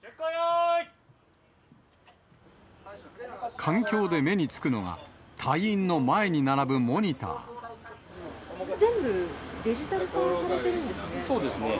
艦橋で目につくのが、隊員の全部デジタル化されてるんでそうですね。